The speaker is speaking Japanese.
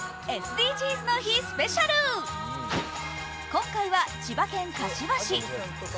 今回は、千葉県柏市。